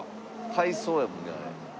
回送やもんねあれ。